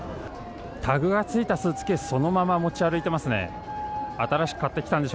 タグがついたスーツケース、そのまま持ち歩いてますね。